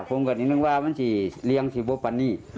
ผมก็นึกว่ามันสิเรียงสิบบันนี้